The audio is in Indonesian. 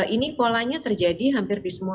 ini polanya terjadi hampir di semua